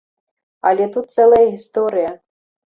Але тут цэлая гісторыя.